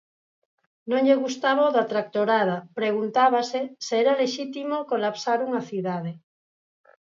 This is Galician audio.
Non lle gustaba o da "tractorada", preguntábase se "era lexítimo colapsar unha cidade".